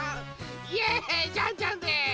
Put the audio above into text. イエーイジャンジャンです！